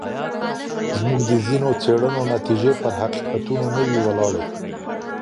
زموږ د ځینو څېړنو نتیجې پر حقیقتونو نه وي وولاړي.